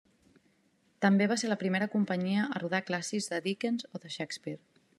També va ser la primera companyia a rodar clàssics de Dickens o de Shakespeare.